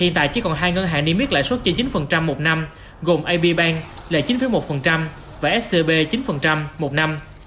hiện tại chỉ còn hai ngân hàng niêm yết lãi suất cho chín một năm gồm ab bank là chín một và scb chín một năm